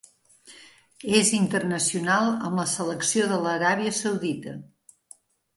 És internacional amb la selecció de l'Aràbia Saudita.